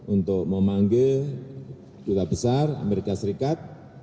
untuk memanggil duta besar amerika serikat